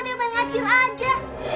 dia main ngacir aja